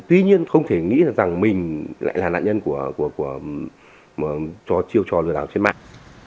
tuy nhiên không thể nghĩ rằng mình lại là nạn nhân cho chiêu trò lừa đảo trên mạng